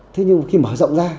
thế nhưng khi mở rộng ra